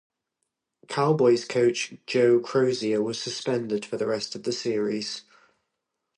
Cowboys coach Joe Crozier was suspended for the rest of the series.